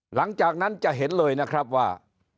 หลังจากนั้นจะเห็นเลยนะครับว่า